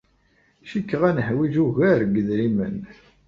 Cikkeɣ ad neḥwij ugar n yedrimen.